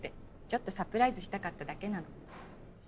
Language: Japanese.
ちょっとサプライズしたかっただけなの。